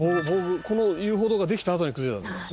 この遊歩道ができたあとに崩れたんですか？